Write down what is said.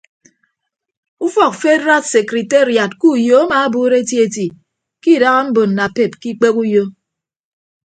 Ufọk fedraad sekriteriad ke uyo amaabuuro eti eti ke idaha mbon napep ke ikpehe uyo.